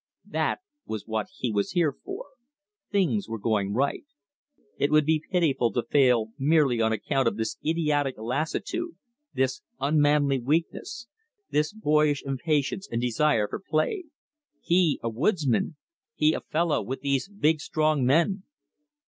That was what he was here for. Things were going right. It would be pitiful to fail merely on account of this idiotic lassitude, this unmanly weakness, this boyish impatience and desire for play. He a woodsman! He a fellow with these big strong men!